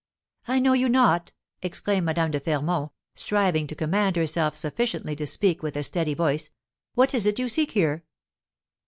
"I know you not," exclaimed Madame de Fermont, striving to command herself sufficiently to speak with a steady voice; "what is it you seek here?"